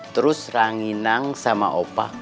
terus ranginang sama opak